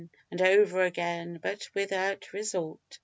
and over again, but without result.